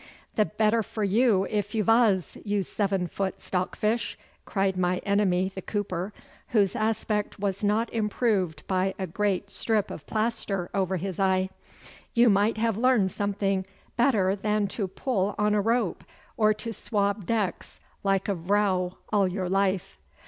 'The petter for you if you vas, you seven foot stock fish,' cried my enemy the cooper, whose aspect was not improved by a great strip of plaster over his eye. 'You might have learned something petter than to pull on a rope, or to swab decks like a vrouw all your life.